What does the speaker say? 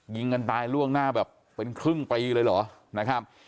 ยิงกันตายล่วงหน้าแบบเป็นครึ่งปีเลยเหรอนะครับ